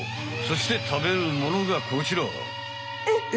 そしてたべるものがこちら。